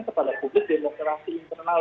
kepada publik demokrasi internal